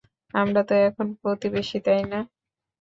আমরা তো এখন প্রতিবেশী, তাই না?